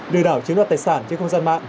đưa đảo chứng đoạt tài sản trên không gian mạng